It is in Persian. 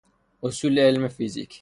اصول علم فیزیک